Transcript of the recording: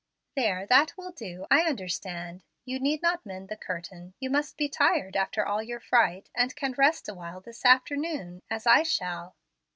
"There, that will do. I understand. You need not mend the curtain. You must be tired after all your fright, and can rest awhile this afternoon, as I shall."